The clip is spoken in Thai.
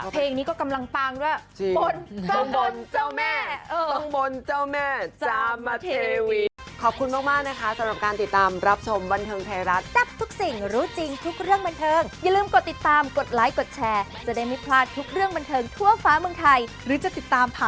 เพลงนี้ก็กำลังปางด้วยบนเจ้าแม่บนเจ้าแม่จะมาเทวี